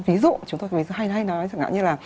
ví dụ chúng tôi hay hay nói chẳng hạn như là